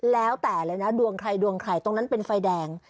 แล้วแต่เลยนะดวงใครดวงใครตรงนั้นเป็นไฟแดง